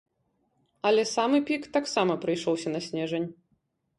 Але самы пік таксама прыйшоўся на снежань.